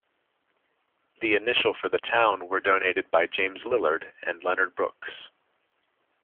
The initial for the town were donated by James Lillard and Leonard Brooks.